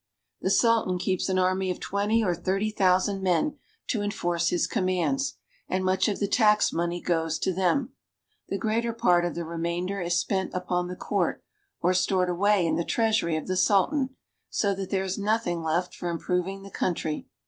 The Sultan keeps an army of twenty or thirty thousand men to enforce his commands, and much of the tax money goes to them. The greater part of the remainder is spent upon the court or stored away in the treasury of the Sultan, so that there is nothing left for improving the country.